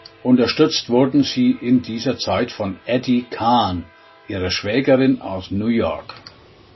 Unterstützt wurden sie in dieser Zeit von Addie Kahn, ihrer Schwägerin aus New York.